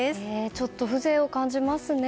ちょっと風情を感じますね。